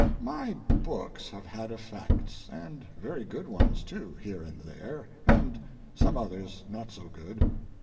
My books have had effects, and very good ones, too, here and there, and some others not so good.